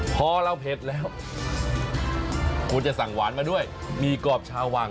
พอเราเผ็ดแล้วคุณจะสั่งหวานมาด้วยหมี่กรอบชาววัง